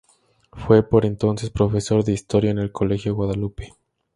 Fue por entonces profesor de Historia en el Colegio Guadalupe.